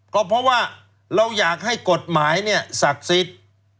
ก็เพราะว่าเราอยากให้กฎหมายเนี่ยศักดิ์สิทธิ์